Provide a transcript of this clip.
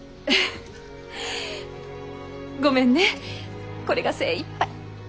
ごめんねこれが精いっぱい。